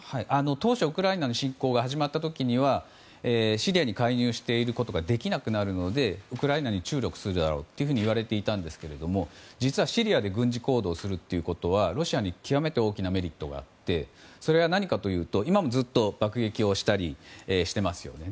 当初、ウクライナへの侵攻が始まった時にシリアに介入することができなくなるのでウクライナに注力するだろうといわれていたんですけれども実はシリアで軍事行動をするということはロシアに極めて大きなメリットがあってそれは何かというと、今もずっと爆撃をしたりしていますよね。